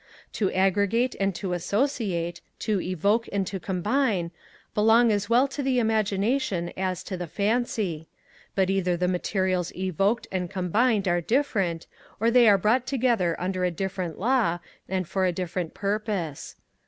To aggregate and to associate, to evoke and to combine, belong as well to the Imagination as to the Fancy; but either the materials evoked and combined are different; or they are brought together under a different law, and for a different purpose.